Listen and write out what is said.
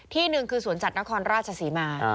ที่หนึ่งคือสวนสัตว์นครราชศรีมา